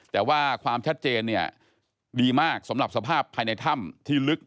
แต่ว่าความชัดเจนเนี่ยดีมากสำหรับสภาพภายในถ้ำที่ลึก